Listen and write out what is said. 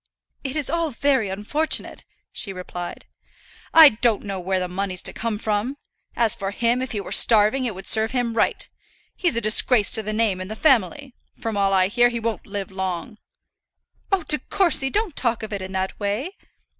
"It is all very unfortunate," she replied. "I don't know where the money's to come from. As for him, if he were starving, it would serve him right. He's a disgrace to the name and the family. From all I hear, he won't live long." "Oh, De Courcy, don't talk of it in that way!"